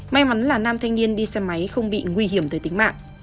may mắn là nam thanh niên đi xe máy không bị nguy hiểm tới tính mạng